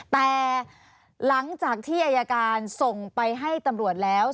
แต่หลังจากที่อายการส่งไปให้ตำรวจแล้ว